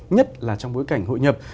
nhất là trong bối cảnh hội nhập